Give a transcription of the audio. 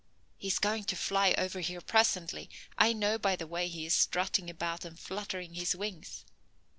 He's going to fly over here presently, I know by the way he is strutting about and fluttering his wings.